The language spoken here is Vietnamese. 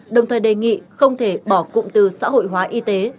đồng thời đề nghị không thể bỏ cụm từ xã hội hóa y tế